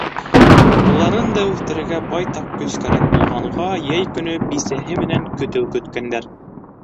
Быларын да үҫтерергә байтаҡ көс кәрәк булғанға, йәй көнө бисәһе менән көтөү көткәндәр.